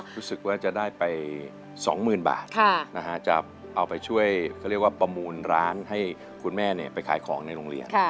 รู้สึกว่าจะได้ไป๒๐๐๐บาทจะเอาไปช่วยเขาเรียกว่าประมูลร้านให้คุณแม่ไปขายของในโรงเรียน